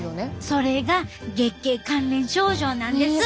それが月経関連症状なんです！